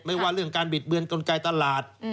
ว่าเรื่องการบิดเบือนกลไกตลาด